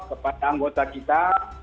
kepada anggota kita